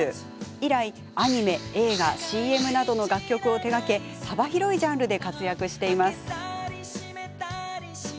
以来、アニメ、映画 ＣＭ などの楽曲を手がけ幅広いジャンルで活躍しています。